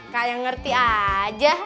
kak yang ngerti aja